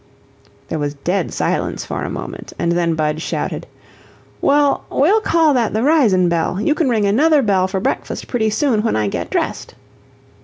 There was dead silence for a moment, and then Budge shouted: "Well, we'll call that the risin' bell. You can ring another bell for breakfast pretty soon when I get dressed."